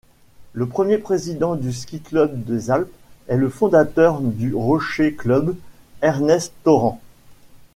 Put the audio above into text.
Le premier président du ski-club des Alpes est le fondateur du Rocher-Club, Ernest Thorant.